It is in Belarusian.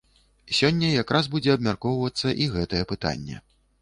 Сёння якраз будзе абмяркоўвацца і гэтае пытанне.